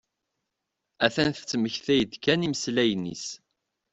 A-t-an tettmekti-d kan imeslayen-is.